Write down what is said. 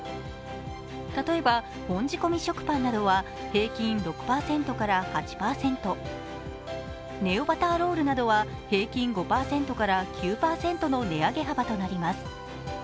例えば、本仕込食パンなどは平均６８％、ネオバターロールなどは平均５％から９％の値上げ幅となります。